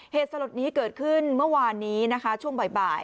สลดนี้เกิดขึ้นเมื่อวานนี้นะคะช่วงบ่าย